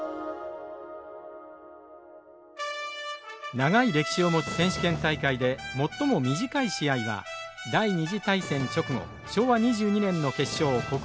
長い歴史を持つ選手権大会で最も短い試合は第２次大戦直後昭和２２年の決勝小倉中学対岐阜商業です。